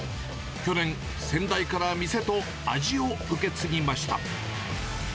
去年、先代から店と味を受け継ぎました。